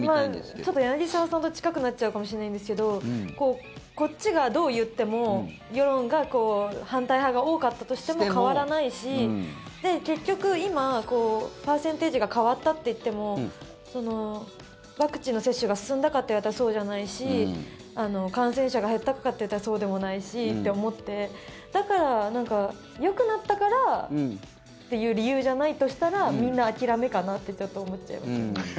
ちょっと柳澤さんと近くなっちゃうかもしれないんですけどこっちがどう言っても世論が反対派が多かったとしても変わらないし結局今、パーセンテージが変わったといってもワクチンの接種が進んだかといわれたらそうじゃないし感染者が減ったかといったらそうでもないしと思ってだから、よくなったからという理由じゃないとしたらみんな、諦めかなってちょっと思っちゃいますよね。